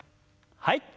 はい。